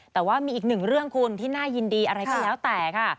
แต่ว่ามีอีกหนึ่งเรื่องคุณที่น่ายินดีอะไรก็แล้วแต่ค่ะ